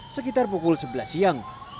sekitar pukul sebelas siang